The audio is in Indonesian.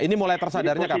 ini mulai tersadarnya kapan